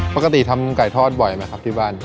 ปกติทำไก่ทอดบ่อยไหมครับที่บ้าน